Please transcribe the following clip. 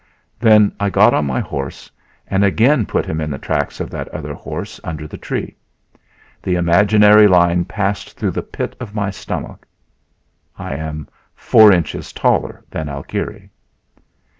Then I got on my horse and again put him in the tracks of that other horse under the tree; the imaginary line passed through the pit of my stomach!...I am four inches taller than Alkire."